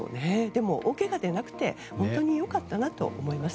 でも、大けがでなくて本当に良かったなと思います。